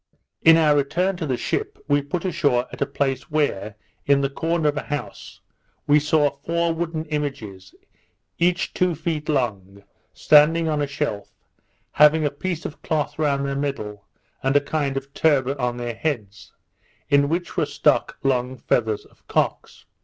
In our return to the ship, we put ashore at a place where, in the corner of a house, we saw four wooden images, each two feet long, standing on a shelf, having a piece of cloth round their middle, and a kind of turban on their heads, in which were stuck long feathers of cocks.